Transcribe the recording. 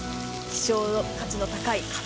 希少価値の高い肩